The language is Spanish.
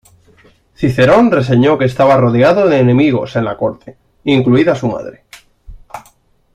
Cicerón reseñó que estaba rodeado de enemigos en la corte, incluida su madre.